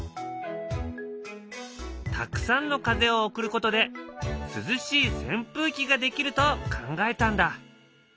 たくさんの風を送ることで涼しいせん風機ができると考えたんだ。